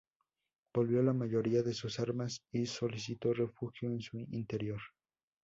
Volvió la mayoría de sus armas y solicitó refugio en su interior.